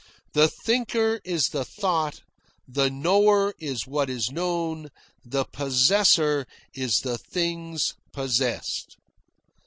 The thinker is the thought, the knower is what is known, the possessor is the things possessed.